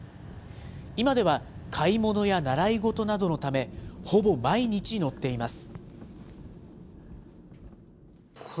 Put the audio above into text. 今では買い物や習い事などのため、ほぼ毎日乗っています。